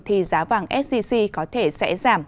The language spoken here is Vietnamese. thì giá vàng sgc có thể sẽ giảm